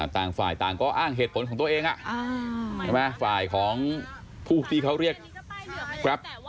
ต่างฝ่ายต่างก็อ้างเหตุผลของตัวเองฝ่ายของผู้ที่เขาเรียกแกรป